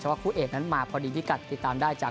ว่าคู่เอกนั้นมาพอดีพิกัดติดตามได้จาก